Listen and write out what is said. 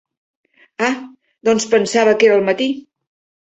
Ah doncs pensava que era al matí.